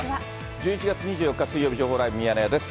１１月２４日水曜日、情報ライブミヤネ屋です。